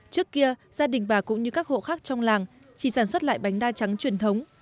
trước kia gia đình bà cũng như các hộ khác trong làng chỉ sản xuất lại bánh đa trắng truyền thống